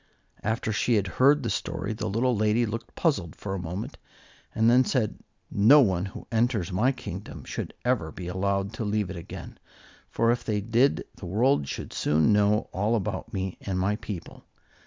After she had heard the story, the little lady looked puzzled for a moment and then said, "No one who enters my kingdom should ever be allowed to leave it again, for if they did the world should soon know all about me and my people.